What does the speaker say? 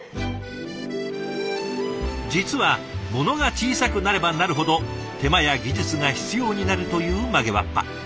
実はものが小さくなればなるほど手間や技術が必要になるという曲げわっぱ。